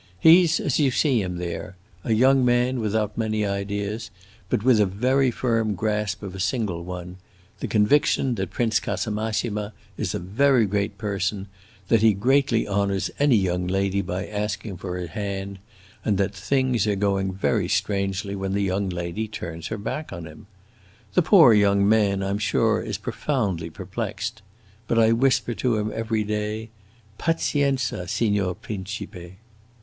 He 's as you see him there: a young man without many ideas, but with a very firm grasp of a single one the conviction that Prince Casamassima is a very great person, that he greatly honors any young lady by asking for her hand, and that things are going very strangely when the young lady turns her back upon him. The poor young man, I am sure, is profoundly perplexed. But I whisper to him every day, 'Pazienza, Signor Principe!